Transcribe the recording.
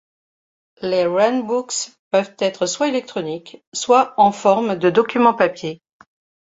Les runbooks peuvent être soit électroniques, soit en forme de document papier.